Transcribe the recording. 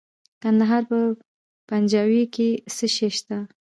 د کندهار په پنجوايي کې څه شی شته؟